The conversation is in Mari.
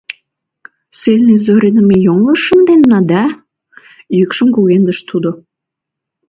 — Ссыльный Зориным ме йоҥылыш шынденна да?! — йӱкшым кугемдыш тудо.